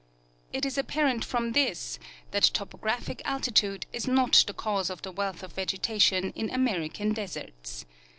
It is aj^parent from this that topographic altitude is not the cause of the wealth of vegeta tion in American deserts.